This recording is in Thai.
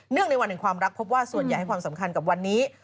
ในวันแห่งความรักพบว่าส่วนใหญ่ให้ความสำคัญกับวันนี้